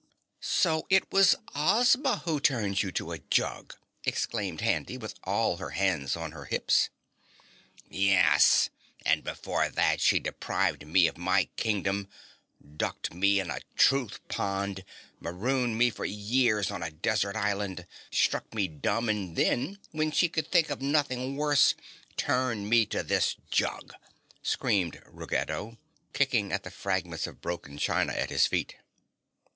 "So it was Ozma who turned you to a jug!" exclaimed Handy with all her hands on her hips. "Yes, and before that she deprived me of my Kingdom, ducked me in a Truth Pond, marooned me for years on a desert island, struck me dumb, and then, when she could think of nothing worse, turned me to this jug!" screamed Ruggedo, kicking at the fragments of broken china at his feet.